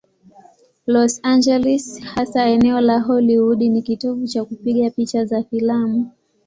Los Angeles, hasa eneo la Hollywood, ni kitovu cha kupiga picha za filamu.